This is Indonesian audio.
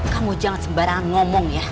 kamu jangan sembarangan ngomong ya